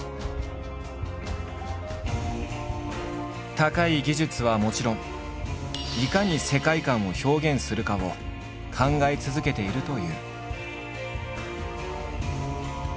高い技術はもちろんいかに世界観を表現するかを考え続けているという。